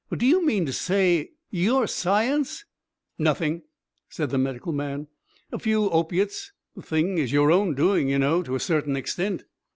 "But do you mean to say ... Your science ..." "Nothing," said the medical man. "A few opiates. The thing is your own doing, you know, to a certain extent."